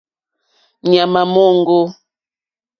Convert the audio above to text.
Ŋměmà móŋɡô.